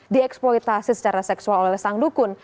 dieksploitasi secara seksual oleh sang dukun